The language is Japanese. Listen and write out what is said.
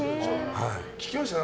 聞きましたよ